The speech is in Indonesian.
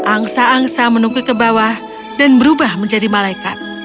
angsa angsa menunggu ke bawah dan berubah menjadi malaikat